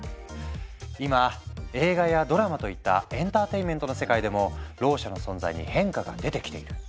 今映画やドラマといったエンターテインメントの世界でもろう者の存在に変化が出てきている。